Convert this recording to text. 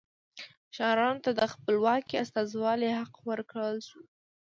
ښارونو ته د خپلواکې استازولۍ حق ورکړل شو.